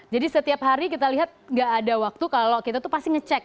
jadi setiap hari kita lihat gak ada waktu kalau kita tuh pasti ngecek